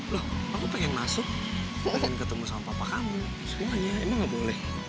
loh aku pengen masuk pengen ketemu sama papa kamu semuanya emang gak boleh